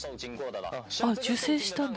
あっ受精したんだ。